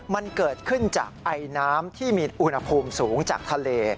มันเกิดขึ้นจากไอน้ำที่มีอุณหภูมิสูงจากทะเล